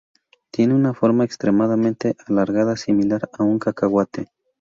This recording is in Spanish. Tiene una forma extremadamente alargada, similar a un cacahuete.